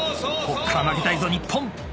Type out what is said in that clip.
ここから曲げたいぞ日本。